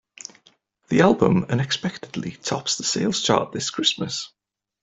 The album unexpectedly tops the sales chart this Christmas.